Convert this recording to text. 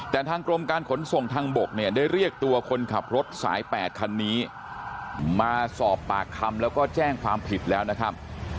แต่ทางกรมการขนส่งทางบกเนี่ยได้เรียกตัวคนขับรถสาย๘คันนี้มาสอบปากคำแล้วก็แจ้งความผิดแล้วนะครับ